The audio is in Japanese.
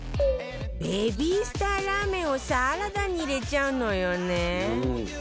ベビースターラーメンをサラダに入れちゃうのよね